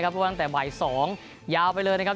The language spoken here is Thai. เพราะว่าตั้งแต่บ่าย๒ยาวไปเลยนะครับ